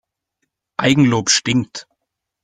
Eigenlob stinkt.